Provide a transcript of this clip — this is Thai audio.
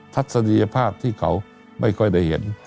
ทัศนียภาพที่เขาไม่ค่อยได้เห็น